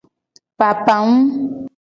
Papawum.